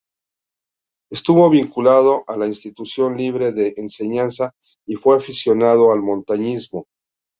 Estuvo vinculado a la Institución Libre de Enseñanza y fue aficionado al montañismo.